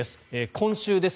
今週です。